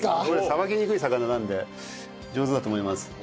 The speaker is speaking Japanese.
これさばきにくい魚なので上手だと思います。